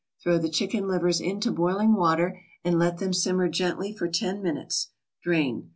Throw the chicken livers into boiling water and let them simmer gently for ten minutes; drain.